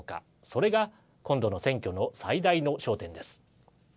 それが今度の選挙の最大の焦点です。